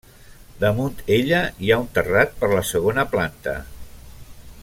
Damunt ella hi ha un terrat per la segona planta.